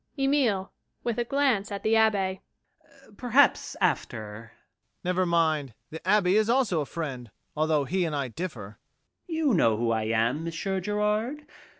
EMILE. [With a glance at the ABBÉ] Perhaps after MAURICE. Never mind. The Abbé is also a friend, although he and I differ. EMILE. You know who I am, Monsieur Gérard?